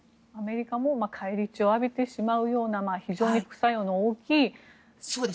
アメリカも返り血を浴びてしまうような非常に副作用の大きい。